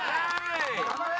頑張れ！